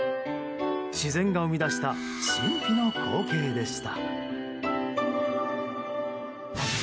自然が生み出した神秘の光景でした。